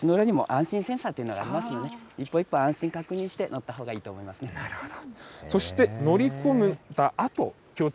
足の裏にも安心センサーというものがありますので、一歩一歩安心確認して、乗ったほうがいいと思なるほど。